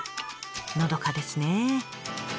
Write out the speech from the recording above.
のどかですね。